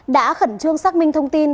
đã khẩn trương xác minh thông tin